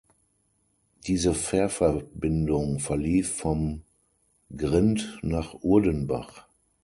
Diese Fährverbindung verlief vom Grind nach Urdenbach.